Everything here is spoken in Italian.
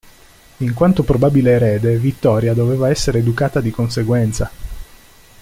In quanto probabile erede, Vittoria doveva essere educata di conseguenza.